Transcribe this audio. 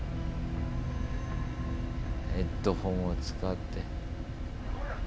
ヘッドホンを使って。